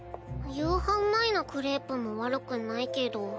夕飯前のクレープも悪くないけど。